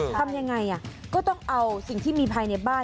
ทำยังไงก็ต้องเอาสิ่งที่มีภายในบ้าน